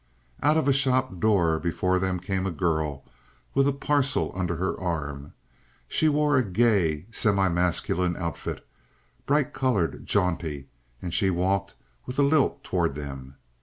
Out of a shop door before them came a girl with a parcel under her arm. She wore a gay, semi masculine outfit, bright colored, jaunty, and she walked with a lilt toward them.